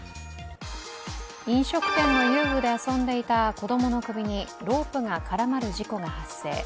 飲食店の遊具で遊んでいた子供の首にロープが絡まる事故が発生。